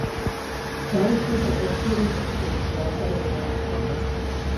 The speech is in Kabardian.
Даухэ зэкъуэшийрэ зы хъыджэбз закъуэрэ яӏэт.